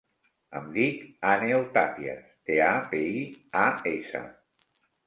Em dic Àneu Tapias: te, a, pe, i, a, essa.